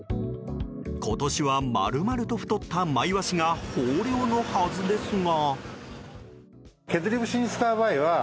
今年は丸々と太ったマイワシが豊漁のはずですが。